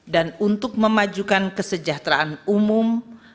dan untuk memajukan kesejahteraan umum